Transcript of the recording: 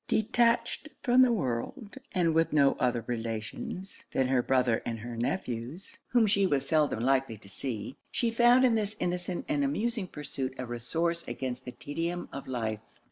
Detached from the world, and with no other relations than her brother and her nephews, whom she was seldom likely to see, she found in this innocent and amusing pursuit a resource against the tedium of life.